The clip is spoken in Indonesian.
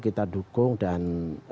kita dukung dan